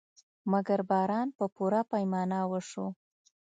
مګر باران په پوره پیمانه وشو.